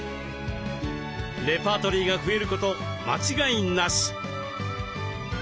レパートリーが増えること間違いなし！